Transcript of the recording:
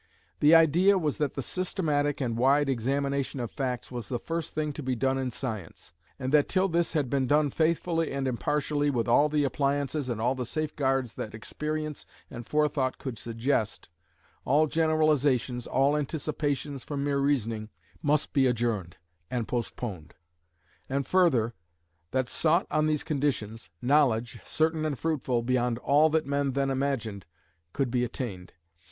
The idea was that the systematic and wide examination of facts was the first thing to be done in science, and that till this had been done faithfully and impartially, with all the appliances and all the safeguards that experience and forethought could suggest, all generalisations, all anticipations from mere reasoning, must be adjourned and postponed; and further, that sought on these conditions, knowledge, certain and fruitful, beyond all that men then imagined, could be attained.